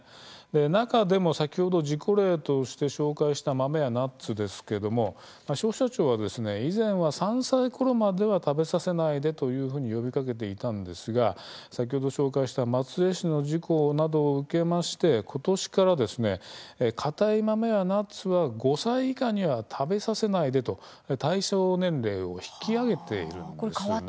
中でも先ほど事故例として紹介した豆やナッツですけれども消費者庁は以前は３歳ごろまでは食べさせないでというふうに呼びかけていたんですが先ほど紹介した松江市の事故などを受けましてことしからかたい豆やナッツは５歳以下には食べさせないでと対象年齢を引き上げているんです。